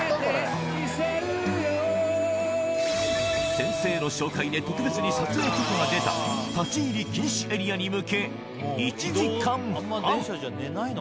先生の紹介で特別に撮影許可が出た立ち入り禁止エリアに向け、１時間半。